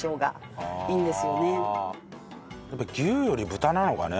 やっぱり牛より豚なのかね？